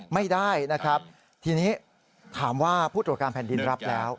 ไม่ได้นะครับทีนี้ถามว่าผู้ตรวจการแผ่นดินรับแล้ว